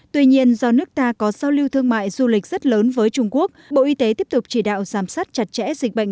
tuy nhiên do nước ta có giao lưu thương mại du lịch rất lớn với trung quốc bộ y tế tiếp tục chỉ đạo giám sát chặt chẽ dịch bệnh